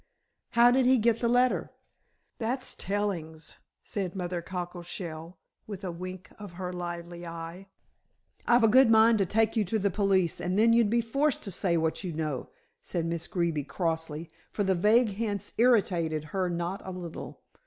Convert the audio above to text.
"How did he get the letter?" "That's tellings," said Mother Cockleshell with a wink of her lively eye. "I've a good mind to take you to the police, and then you'd be forced to say what you know," said Miss Greeby crossly, for the vague hints irritated her not a little.